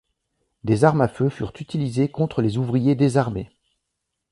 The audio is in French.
Des armes à feu furent utilisées contre les ouvriers désarmés.